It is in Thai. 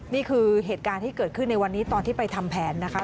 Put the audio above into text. นี่คือเหตุการณ์ที่เกิดขึ้นในวันนี้ตอนที่ไปทำแผนนะคะ